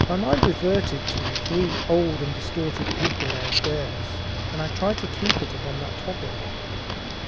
My mind reverted to the three old and distorted people downstairs, and I tried to keep it upon that topic.